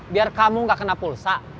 biar kamu gak kena pulsa